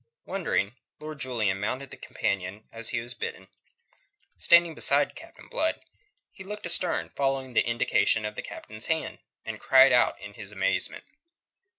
Wondering, Lord Julian mounted the companion as he was bidden. Standing beside Captain Blood, he looked astern, following the indication of the Captain's hand, and cried out in his amazement.